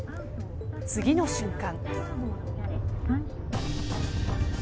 次の瞬間。